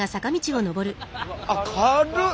あっ軽っ。